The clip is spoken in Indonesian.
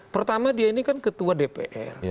pertama dia ini kan ketua dpr